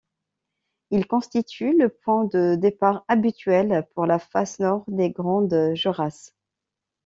Il constitue le point de départ habituel pour la face nord des Grandes Jorasses.